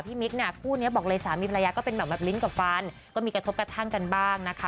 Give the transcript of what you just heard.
มิ๊กเนี่ยคู่นี้บอกเลยสามีภรรยาก็เป็นแบบลิ้นกับฟันก็มีกระทบกระทั่งกันบ้างนะคะ